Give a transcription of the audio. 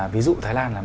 ví dụ thái lan